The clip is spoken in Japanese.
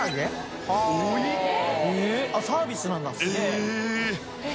サービスなんだすげぇ！